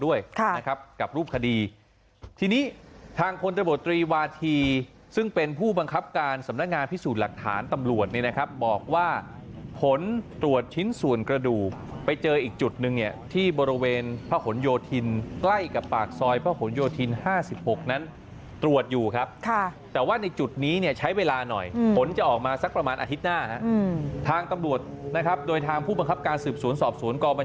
ด้วยนะครับกับรูปคดีทีนี้ทางพลตบตรีวาธีซึ่งเป็นผู้บังคับการสำนักงานพิสูจน์หลักฐานตำรวจเนี่ยนะครับบอกว่าผลตรวจชิ้นส่วนกระดูกไปเจออีกจุดหนึ่งเนี่ยที่บริเวณพระหลโยธินใกล้กับปากซอยพระหลโยธิน๕๖นั้นตรวจอยู่ครับค่ะแต่ว่าในจุดนี้เนี่ยใช้เวลาหน่อยผลจะออกมาสักประมาณอาทิตย์หน้าทางตำรวจนะครับโดยทางผู้บังคับการสืบสวนสอบสวน